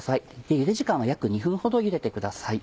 ゆで時間は約２分ほどゆでてください。